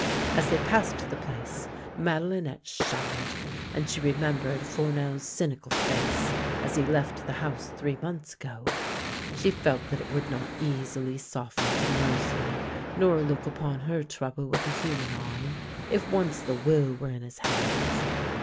As they passed the place Madelinctte shuddered, and she remembered Fournel's cynical face as he left the house three months ago. She felt that it would not easily soften to mercy nor look upon her trouble with a human eye, if once the will were in his hands.